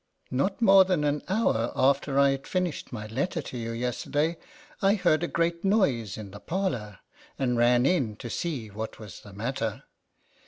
Not more than an hour after I finished my letter to you, yesterday, I heard a great noise in the parlor, and ran in to see what was the matter.